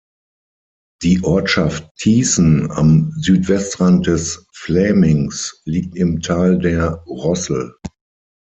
Die Ortschaft Thießen am Südwestrand des Flämings liegt im Tal der Rossel.